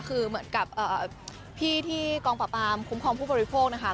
คือเหมือนกับพี่ที่กองปราบปรามคุ้มครองผู้บริโภคนะคะ